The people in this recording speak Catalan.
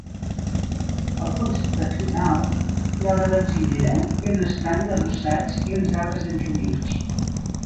Al punt septentrional, hi ha una benzinera i un estanc adossats i uns arbres entremig.